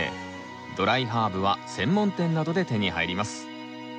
ドライハーブは専門店などで手に入ります。